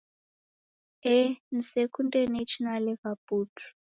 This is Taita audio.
Eh nisekunde, nechi nalegha putu!